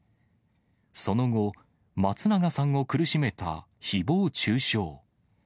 その後、松永さんを苦しめたひぼう中傷。